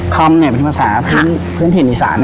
คำเป็นภาษาพื้นถิ่นอีสาน